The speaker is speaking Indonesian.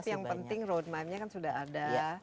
tapi yang penting roadmine nya kan sudah ada